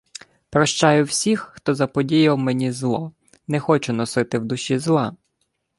Прощаю всіх, хто заподіяв мені злоНе хочу носити в душі зла.